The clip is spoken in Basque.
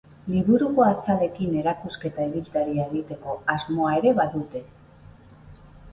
Liburuko azalekin erakusketa ibiltaria egiteko asmoa ere badute.